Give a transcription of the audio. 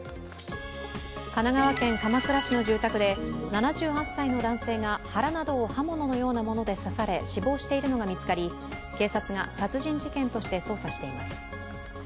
神奈川県鎌倉市の住宅で７８歳の男性が腹などを刃物のようなもので刺され死亡しているのが見つかり、警察が殺人事件として捜査しています。